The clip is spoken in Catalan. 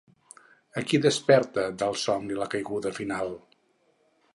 A qui desperta del somni la caiguda final?